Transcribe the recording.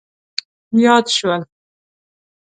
یاد شول.